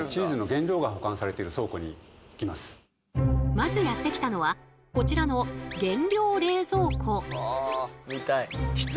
まずやって来たのはこちらの原料冷蔵庫。